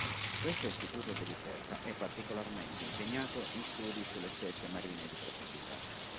Questo istituto di ricerca è particolarmente impegnato in studi sulle specie marine di profondità.